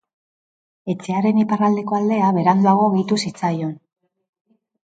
Etxearen iparraldeko aldea beranduago gehitu zitzaion.